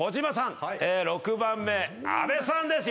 ６番目阿部さんです。